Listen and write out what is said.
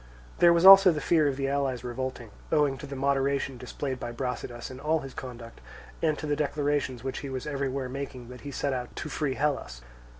There was also the fear of the allies revolting, owing to the moderation displayed by Brasidas in all his conduct, and to the declarations which he was everywhere making that he sent out to free Hellas.